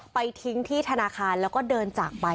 ไปทิ้งที่ธนาคารแล้วก็เดินจากไป